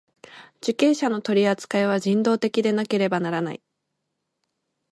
受刑者の取扱いは人道的でなければならない。